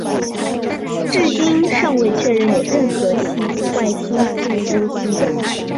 至今尚未确认有任何系外行星存在于这个聚星系统。